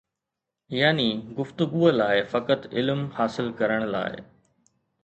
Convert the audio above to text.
يعني گفتگوءَ لاءِ فقط علم حاصل ڪرڻ لاءِ